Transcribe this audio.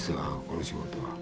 この仕事は。